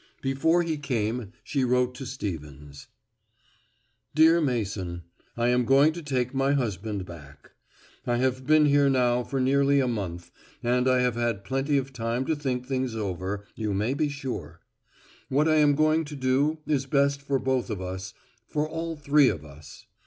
Before he came she wrote to Stevens: _Dear Mason I am going to take my husband back. I have been here now for nearly a month, and I have had plenty of time to think things over, you may be sure. What I am going to do is best for both of us for all three of us.